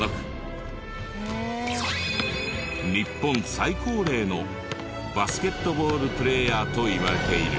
日本最高齢のバスケットボールプレーヤーといわれている。